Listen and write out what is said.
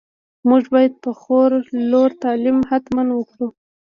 موږ باید په خور لور تعليم حتماً وکړو.